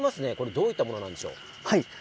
どういったものでしょう？